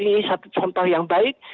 ini satu contoh yang baik